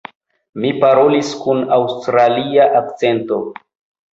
Mi parolis kun aŭstralia akĉento.